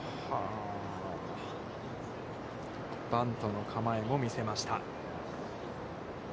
バントの構えも見せました。